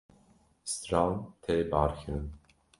stran tê barkirin.